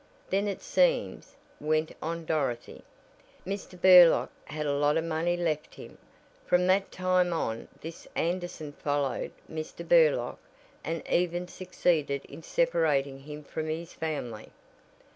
"Then it seems," went on Dorothy, "Mr. Burlock had a lot of money left him. From that time on this Anderson followed Mr. Burlock and even succeeded in separating him from his family."